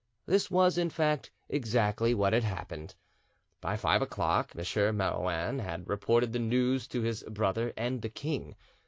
This was, in fact, exactly what had happened. By five o'clock M. Marouin had reported the news to his brother and the king.